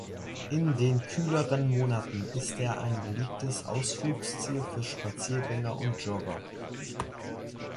In den kühleren Monaten ist er ein beliebtes Ausflugsziel für Spaziergänger und Jogger.